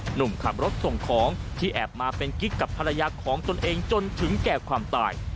หนุ่มขับรถส่งของที่แอบมาเป็นกิ๊กกับภรรยาของตนเองจนถึงแก่ความตาย